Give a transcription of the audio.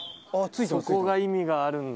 そこが意味があるんだ。